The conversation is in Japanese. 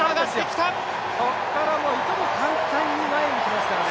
ここからいとも簡単に前に来ますからね。